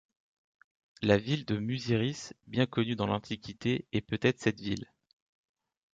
La ville de Muziris, bien connue dans l’Antiquité, est peut-être cette ville.